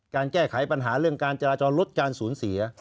การแก้ไขปัญหาเรื่องการจราจรถการศูนย์เสีย